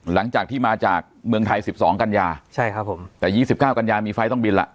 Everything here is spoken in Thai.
หลังจากที่มาจากเมืองไทย๑๒กัญญาใช่ครับผมแต่๒๙กันยามีไฟล์ต้องบินล่ะ